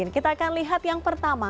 kita akan lihat yang pertama